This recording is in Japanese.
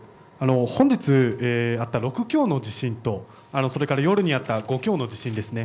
本日あった、６強の地震とそれから夜にあった５強の地震ですね。